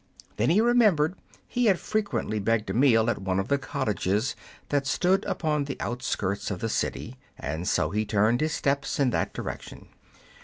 Then he remembered he had frequently begged a meal at one of the cottages that stood upon the outskirts of the city, and so he turned his steps in that direction.